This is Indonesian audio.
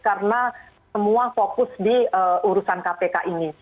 karena semua fokus di urusan kpk ini